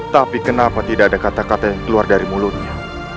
tapi kenapa tidak ada kata kata yang keluar dari mulutnya